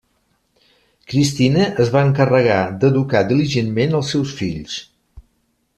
Cristina es va encarregar d'educar diligentment els seus fills.